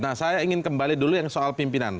nah saya ingin kembali dulu yang soal pimpinan